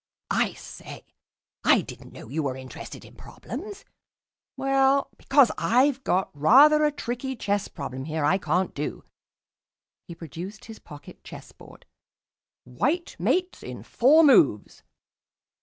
I say, I didn't know you were interested in problems." "Well " "Because I've got rather a tricky chess problem here I can't do." He produced his pocket chess board. "White mates in four moves."